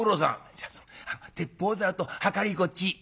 「じゃあその鉄砲ざるとはかりこっち」。